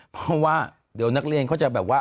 เพราะว่าเดี๋ยวนักเรียนเขาจะแบบว่า